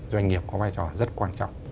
doanh nghiệp có vai trò rất quan trọng